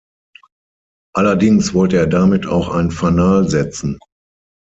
Allerdings wollte er damit auch ein Fanal setzen.